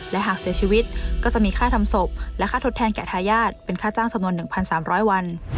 และหากเสียชีวิตก็จะมีค่าทำศพและค่าทดแทนแก่ทายาทเป็นค่าจ้างจำนวน๑๓๐๐วัน